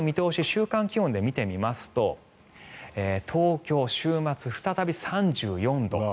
週間気温で見てみますと東京、週末再び３４度。